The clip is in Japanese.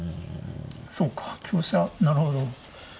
そうか香車なるほど。